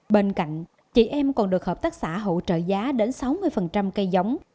bên cạnh chị em còn được hợp tác xã hỗ trợ giá đến sáu mươi cây giống